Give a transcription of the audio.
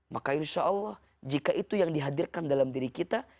maka insya allah jika itu yang dihadirkan dalam diri kita